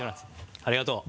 ありがとう。